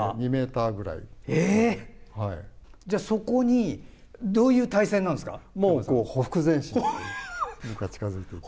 じゃあ、そこにどういう体勢なんですか？